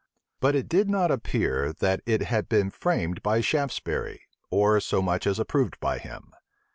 But it did not appear, that it had been framed by Shaftesbury, or so much as approved by him.